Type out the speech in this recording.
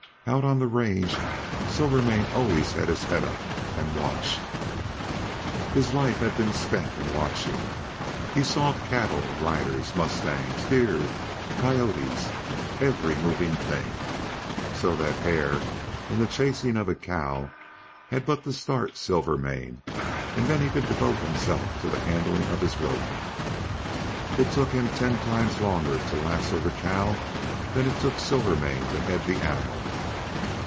Out on the range Silvermane always had his head up and watched; his life had been spent in watching; he saw cattle, riders, mustangs, deer, coyotes, every moving thing. So that Hare, in the chasing of a cow, had but to start Silvermane, and then he could devote himself to the handling of his rope. It took him ten times longer to lasso the cow than it took Silvermane to head the animal.